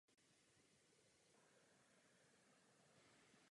Akademie věd tam umístila svůj ekonomický ústav.